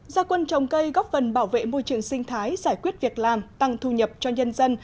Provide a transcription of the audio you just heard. gia quân trồng cây góp phần bảo vệ môi trường sinh thái giải quyết việc làm tăng thu nhập cho nhân dân